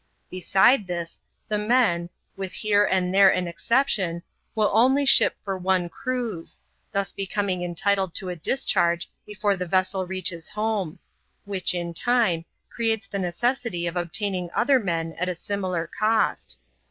Beside this, the men — with here and tliere an exception — will only ship for one cruise, thus be coming entitled to a discharge before the vessel reaches home ; which, in time, creates the necessity of obtaining other men at a similar cost.